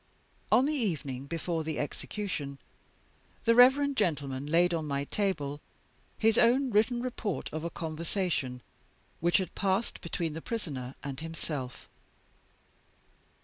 On the evening before the execution, the reverend gentleman laid on my table his own written report of a conversation which had passed between the Prisoner and himself.